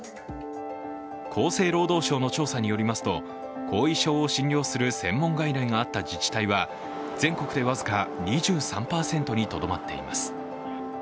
厚生労働省の調査によりますと後遺症を診療する専門外来があった自治体は全国で僅か２３％にとどまっています。